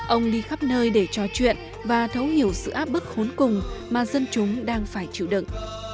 ông đi khắp nơi để trò chuyện và thấu hiểu sự áp bức khốn cùng mà dân chúng đang phải chịu đựng